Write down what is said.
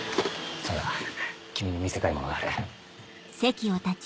そうだ君に見せたいものがある。